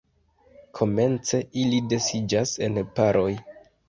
Komence ili disiĝas en paroj.